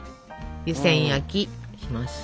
湯せん焼きします。